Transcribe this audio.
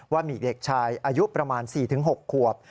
ว่ามีเด็กชายอายุประมาณ๔๖ขวบ